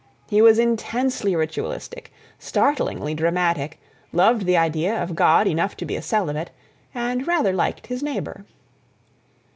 He was intensely ritualistic, startlingly dramatic, loved the idea of God enough to be a celibate, and rather liked his neighbor.